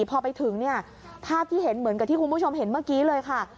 พอไปถึงเนี่ยภาพที่เห็นเหมือนกับที่คุณผู้ชมเห็นเมื่อกี้เลยค่ะ